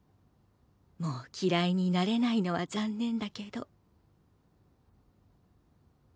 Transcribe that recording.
もう嫌いになれないのは残念だけど。